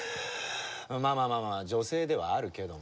まあまあまあまあ女性ではあるけども。